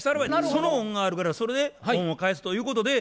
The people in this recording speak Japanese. その恩があるからそれで恩を返すということで。